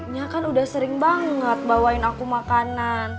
ya kan udah sering banget bawain aku makanan